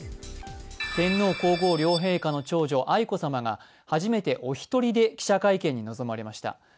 天皇・皇后両陛下の長女・愛子さまが初めてお一人で記者会見に臨まれました。